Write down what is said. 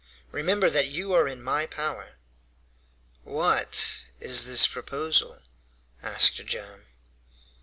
Remember that you are in my power." "What is this proposal?" asked Joam.